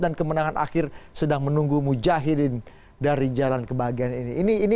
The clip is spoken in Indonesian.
dan kemenangan akhir sedang menunggu mu jahilin dari jalan kebahagiaan ini